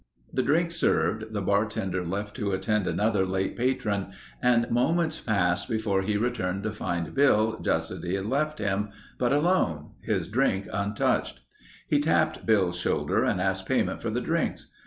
The drinks served, the bartender left to attend another late patron and moments passed before he returned to find Bill just as he had left him, but alone—his drink untouched. He tapped Bill's shoulder and asked payment for the drinks.